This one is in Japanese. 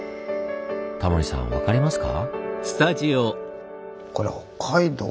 タモリさん分かりますか？